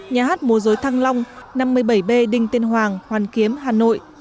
nhà hát mô rối thăng long năm mươi bảy b đinh tên hoàng hoàn kiếm hà nội